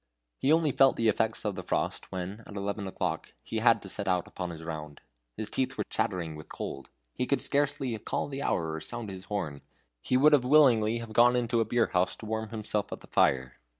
He only felt the effects of the frost when, at eleven o'clock, he had to set out upon his round. His teeth chattered with cold; he could scarcely call the hour or sound his horn. He would willingly have gone into a beer house to warm himself at the fire.